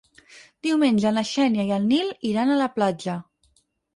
Diumenge na Xènia i en Nil iran a la platja.